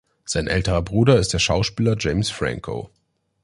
Sein älterer Bruder ist der Schauspieler James Franco.